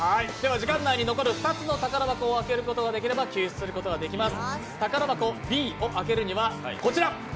時間内に残る２つの宝箱を開けることができれば救出することができます。